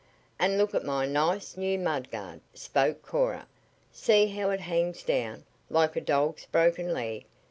"And look at my nice, new mud guard," spoke Cora. "See how it hangs down, like a dog's broken leg.